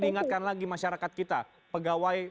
mengingatkan lagi masyarakat kita pegawai